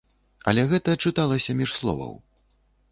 Але гэта чыталася між словаў.